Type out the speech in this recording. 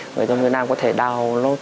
người dân việt nam có thể download